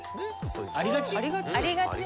ありがち？